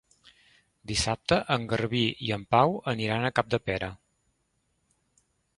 Dissabte en Garbí i en Pau aniran a Capdepera.